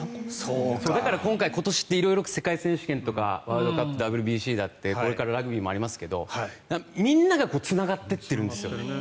だから、今年って色々世界選手権とかワールドカップとかＷＢＣだってこれからラグビーもありますがみんながつながってってるんです。